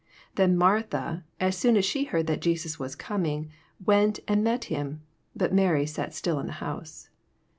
20 Then Martha, as soon as she heard that Jesus was coming, went and met him: but Mary sai still in the house.